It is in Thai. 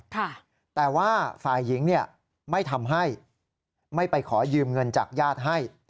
แต่ว่าฝ่ายหญิงเนี่ยไม่ทำให้ไม่ไปขอยืมเงินจากญาติให้